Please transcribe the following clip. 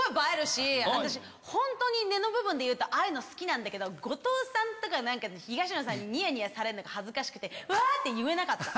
本当に根の部分で言うとああいうの好きなんだけど後藤さんとか東野さんにニヤニヤされるのが恥ずかしくて。